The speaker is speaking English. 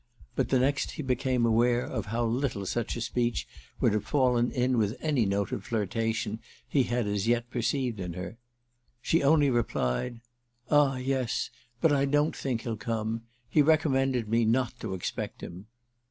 But the next he became aware of how little such a speech would have fallen in with any note of flirtation he had as yet perceived in her. She only replied: "Ah yes, but I don't think he'll come. He recommended me not to expect him."